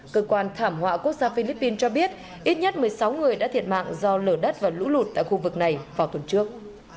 cơ quan thảm họa quốc gia philippines cho biết ít nhất một mươi sáu người đã thiệt mạng do lở đất và lũ lụt tại khu vực này vào tuần trước